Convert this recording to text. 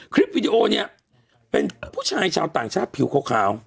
วิดีโอเนี่ยเป็นผู้ชายชาวต่างชาติผิวขาว